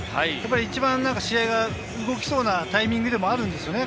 一番試合が動きそうなタイミングでもあるんですよね。